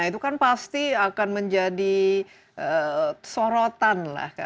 itu kan pasti akan menjadi sorotan lah